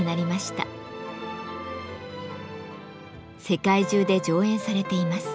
世界中で上演されています。